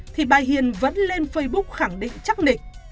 thì bà hiền vẫn lên facebook khẳng định chắc lịch